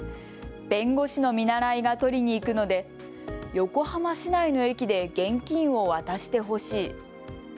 弁護士の見習いが取りに行くので横浜市内の駅で現金を渡してほしい。